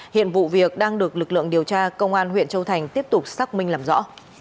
hiện vụ việc đang được lực lượng điều tra công an huyện châu thành tiếp tục xác minh làm rõ